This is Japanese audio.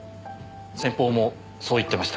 先方もそう言ってました。